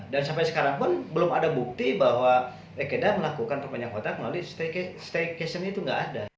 dan sampai sekarang pun belum ada bukti bahwa ikaeda melakukan perpanjang kontrak melalui staycation itu tidak ada